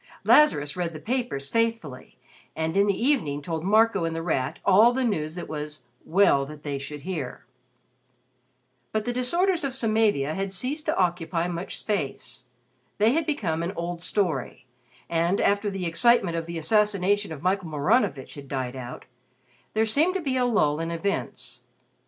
Lazarus read the papers faithfully, and in the evening told Marco and The Rat all the news it was "well that they should hear." But the disorders of Samavia had ceased to occupy much space. They had become an old story, and after the excitement of the assassination of Michael Maranovitch had died out, there seemed to be a lull in events.